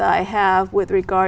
có những khó khăn